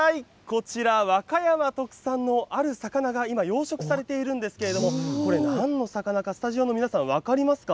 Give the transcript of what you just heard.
こちら、和歌山特産のある魚が今、養殖されているんですけれども、これ、なんの魚か、スタジオの皆さん、分かりますか？